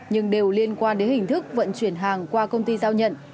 nhưng đều liên quan đến hình thức vận chuyển hàng qua công ty giao nhận